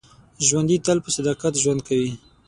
ژوندي تل په صداقت ژوند کوي